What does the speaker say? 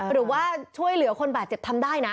หรือว่าช่วยเหลือคนบ้านเจ็บได้